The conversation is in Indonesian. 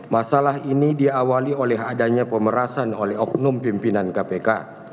masalah ini diawali oleh adanya pemerasan oleh oknum pimpinan kpk